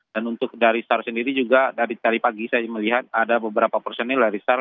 dan untuk dari star sendiri juga dari hari pagi saya melihat ada beberapa personil dari star